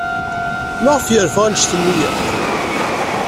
Maɣef ay yerfa anect-nni akk?